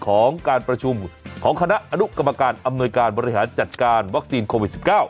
ของการประชุมของคณะอนุกรรมการอำนวยการบริหารจัดการวัคซีนโควิด๑๙